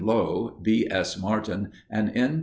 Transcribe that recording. Lowe, B. S. Martin, and N.